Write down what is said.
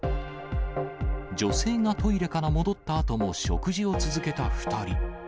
女性がトイレから戻ったあとも食事を続けた２人。